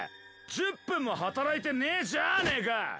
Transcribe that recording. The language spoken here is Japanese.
１０分も働いてねーじゃあねーか！